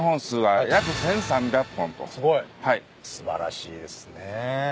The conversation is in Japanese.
すごい。素晴らしいですね。